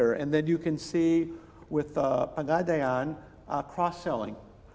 dan kemudian anda bisa melihat dengan pnm mereka membeli produk secara cross selling